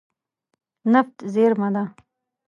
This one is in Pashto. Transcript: نفت زیرمه ده.